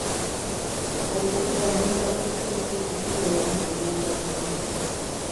Okuvuganya okutuufu tekubeeramu kulumbagana.